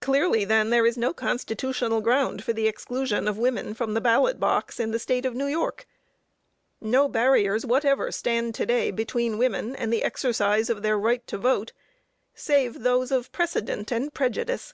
Clearly, then, there is no constitutional ground for the exclusion of women from the ballot box in the State of New York. No barriers whatever stand to day between women and the exercise of their right to vote save those of precedent and prejudice.